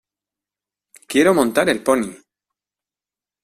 Quiero montar el pony.